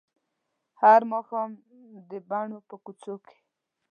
هر ماښام د بڼو په څوکو کې